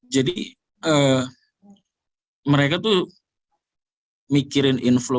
mereka tuh mikirin inflow